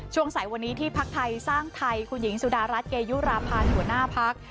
สายวันนี้ที่พักไทยสร้างไทยคุณหญิงสุดารัฐเกยุราพันธ์หัวหน้าพัก